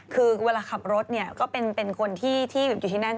คือเวลาขับรถเนี่ยก็เป็นคนที่อยู่ที่นั่น